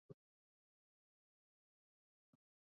闵出生在苏联远东地区的滨海边疆州。